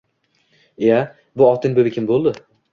«Iya, bu otinbibi kim bo‘ldi?